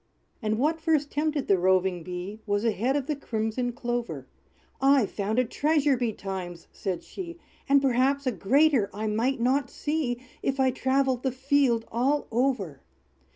And what first tempted the roving Bee, Was a head of the crimson clover. "I've found a treasure betimes!" said she, "And perhaps a greater I might not see, If I travelled the field all over.